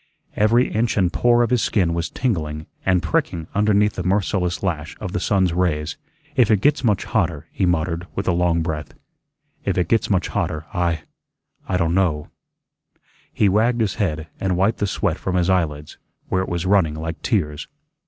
Every inch and pore of his skin was tingling and pricking under the merciless lash of the sun's rays. "If it gets much hotter," he muttered, with a long breath, "if it gets much hotter, I I don' know " He wagged his head and wiped the sweat from his eyelids, where it was running like tears.